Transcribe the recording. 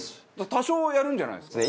多少はやるんじゃないですか？